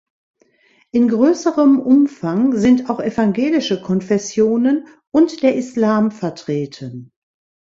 In größerem Umfang sind auch evangelische Konfessionen und der Islam vertreten.